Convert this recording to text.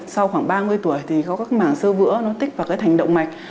sau khoảng ba mươi tuổi thì có các mảng sơ vữa nó tích vào cái thành động mạch